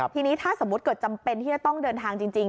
ทีนี้ถ้าสมมุติเกิดจำเป็นที่จะต้องเดินทางจริง